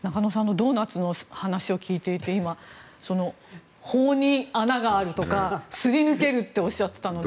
ドーナツの話を聞いていて今、法に穴があるとかすり抜けるとおっしゃっていたので。